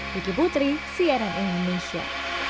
diki putri cnn indonesia